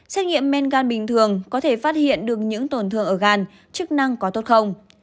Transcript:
xét nghiệm men gan bình thường có thể phát hiện được những tổn thương ở gan chức năng có tốt không